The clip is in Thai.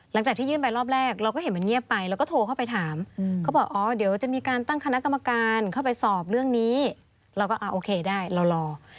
หลังจากที่ยื่นไปรอบแรกเราก็เห็นมันเงียบไปเราก็โทรเข้าไปถามเขาบอกอ๋อเดี๋ยวจะมีการตั้งคณะกรรมการเข้าไปสอบเรื่องนี้เราก็โอเคได้เรารอ